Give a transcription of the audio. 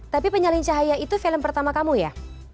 tapi penyalin cahaya itu film pertama kamu ya